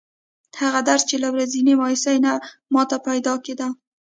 هغه درد چې له ورځنۍ مایوسۍ نه ماته پیدا کېده.